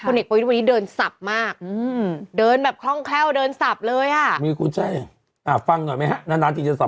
อือมีเสียงมั้ยฮะ